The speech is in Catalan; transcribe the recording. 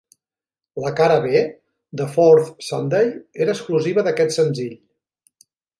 La cara B, "The Fourth Sunday", era exclusiva d'aquest senzill.